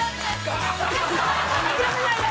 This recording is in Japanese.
諦めないで！